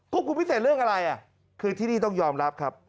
คุมพิเศษเรื่องอะไรคือที่นี่ต้องยอมรับครับ